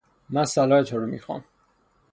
من صلاح تو رو میخوام